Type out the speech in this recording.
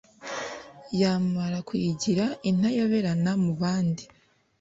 Yamara kuyigira intayoberana mubandi